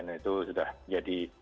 itu sudah jadi